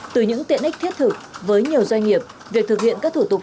từ những tiện ích thiết thực với nhiều doanh nghiệp